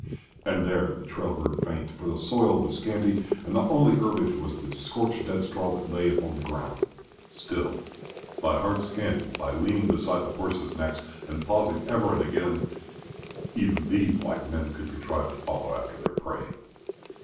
And there the trail grew faint, for the soil was scanty, and the only herbage was this scorched dead straw that lay upon the ground. Still, by hard scanning, by leaning beside the horses' necks and pausing ever and again, even these white men could contrive to follow after their prey.